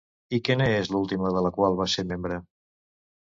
I quina és l'última de la qual va ser membre?